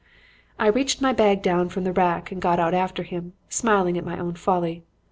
"I reached my bag down from the rack and got out after him, smiling at my own folly.